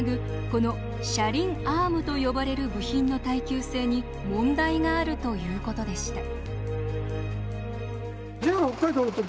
この車輪アームと呼ばれる部品の耐久性に問題があるということでした。